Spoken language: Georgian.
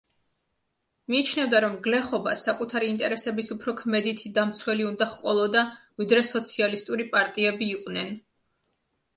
მიიჩნევდა, რომ გლეხობას საკუთარი ინტერესების უფრო ქმედითი დამცველი უნდა ჰყოლოდა, ვიდრე სოციალისტური პარტიები იყვნენ.